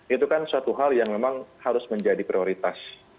itu kan suatu hal yang memang harus menjadi prioritas